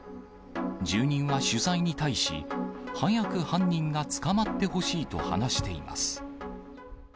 住人は取材に対し、早く犯人が捕まってほしいと話しています。